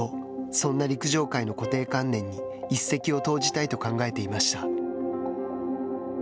そんな陸上界の固定観念に一石を投じたいと考えていました。